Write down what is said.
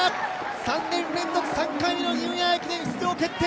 ３年連続３回目のニューイヤー駅伝出場決定。